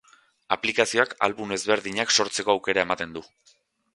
Aplikazioak album ezberdinak sortzeko aukera ematen du.